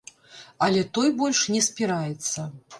Але той больш не спіраецца.